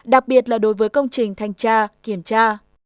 đặc biệt là đối với công trình thanh tra kiểm tra